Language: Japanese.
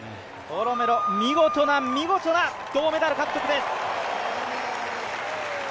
オロ・メロ、見事な見事な銅メダル獲得です。